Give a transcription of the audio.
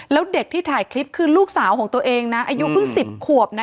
แล้วเด็กที่ถ่ายคลิปคือลูกสาวของตัวเองนะอายุเพิ่ง๑๐ขวบนะ